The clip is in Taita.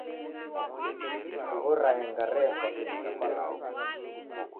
Mifugho raenga refwa kimu cha kwalazi.